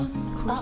あ！